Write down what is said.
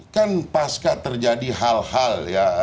kan pasca terjadi hal hal ya